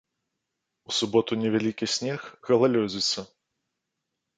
У суботу невялікі снег, галалёдзіца.